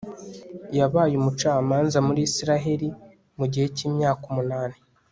yabaye umucamanza muri israheli mu gihe cy'imyaka umunani